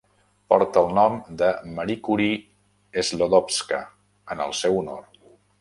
Porta eI nom de Marie Curie-Sklodowska en el seu honor.